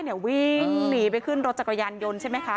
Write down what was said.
เนี่ยวิ่งหนีไปขึ้นรถจากกระยานยนต์ใช่ไหมค่ะ